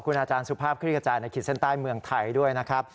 คุณอาจารย์สุภาพคลิกกระจายในขีดเส้นใต้เมืองไทยด้วยนะครับ